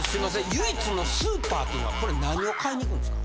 唯一のスーパーっていうのはこれ何を買いに行くんですか？